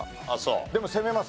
でも攻めます